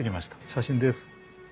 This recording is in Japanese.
写真です。